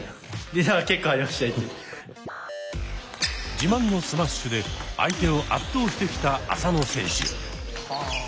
自慢のスマッシュで相手を圧倒してきた浅野選手。